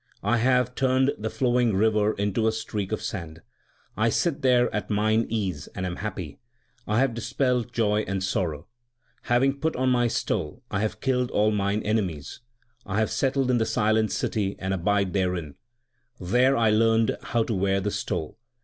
I have turned the flowing river into a streak of sand. 2 I sit there at mine ease and am happy. 3 I have dispelled joy and sorrow. Having put on my stole I have killed all mine enemies ; 4 I have settled in the silent city and abide therein : There I learned how to wear this stole.